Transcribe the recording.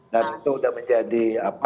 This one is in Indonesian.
dan itu udah menjadi